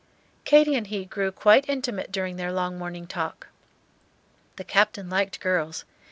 Katy and he grew quite intimate during their long morning talk. The Captain liked girls.